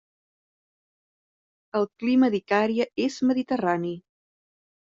El clima d'Icària és mediterrani.